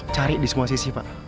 cari di semua sisi pak